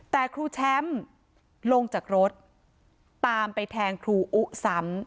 แต่ครูแชมป์ลงจากรถตามไปแทงครูอุซ้ำ